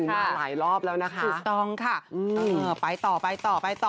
จุดมาหลายรอบแล้วนะคะสุดต้องค่ะไปต่อ